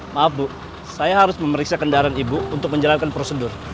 maaf bu saya harus memeriksa kendaraan ibu untuk menjalankan prosedur